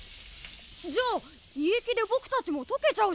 じゃあ胃液でボクたちも溶けちゃうじゃん。